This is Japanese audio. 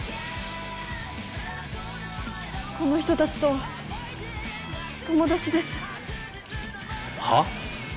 この人たちとは友達です。はあ？